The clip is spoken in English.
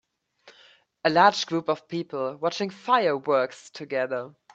A large group of people watching fire works together.